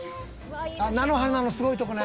「あっ菜の花のすごいとこね」